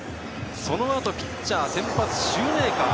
そのあとピッチャー、シューメーカー。